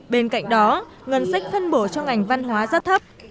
bên cạnh đó ngân sách phân bổ cho ngành văn hóa rất thấp